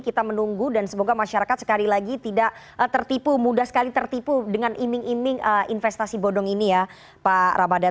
kita menunggu dan semoga masyarakat sekali lagi tidak tertipu mudah sekali tertipu dengan iming iming investasi bodong ini ya pak ramadan